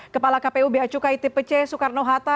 kepala kpu bacuka itpc soekarno hatta